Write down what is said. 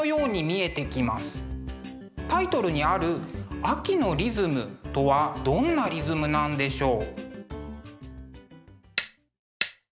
タイトルにある「秋のリズム」とはどんなリズムなんでしょう？